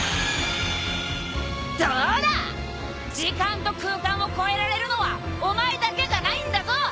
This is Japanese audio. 時間と空間を越えられるのはお前だけじゃないんだぞ！